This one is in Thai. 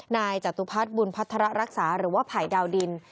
จตุพัฒน์บุญพัฒระรักษาหรือว่าไผ่ดาวดิน